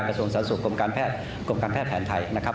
กระทรวงสรรค์สุขกรบการแพทย์แผนไทยนะครับ